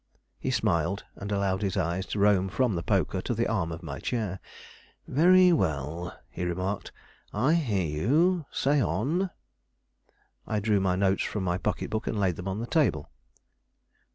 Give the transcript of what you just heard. He smiled, and allowed his eyes to roam from the poker to the arm of my chair. "Very well," he remarked; "I hear you; say on." I drew my notes from my pocketbook, and laid them on the table.